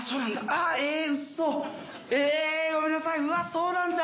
ああえウソ！えごめんなさいうわそうなんだ。